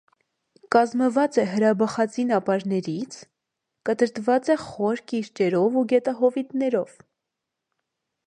Կազմված է հրաբխածին ապարներից, կտրտված է խոր կիրճերով ու գետահովիտներով։